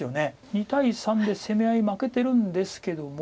２対３で攻め合い負けてるんですけども。